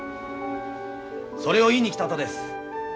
それを言いに来たとです。